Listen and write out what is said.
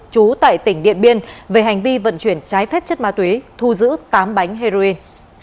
trú tại tỉnh điện biên về hành vi vận chuyển trái phép chất ma túy thu giữ tám bánh heroin